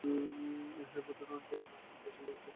এর মধ্যে রঞ্জন ঘোষাল এককভাবে দুটি গান লিখেছেন।